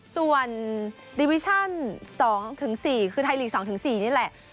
ส่วนดิวิชั่น๒๔คือไทยลีก๒๔นี่แหละ